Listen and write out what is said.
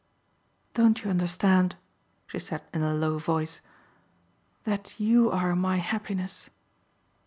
"Don't you understand," she said in a low voice, "that you are my happiness?"